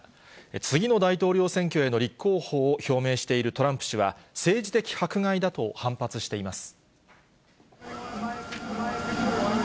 次の大統領選挙への立候補を表明しているトランプ氏は、政治的迫害だと反発しています。